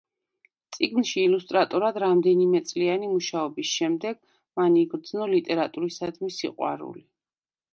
წიგნის ილუსტრატორად რამდენიმეწლიანი მუშაობის შემდეგ მან იგრძნო ლიტერატურისადმი სიყვარული.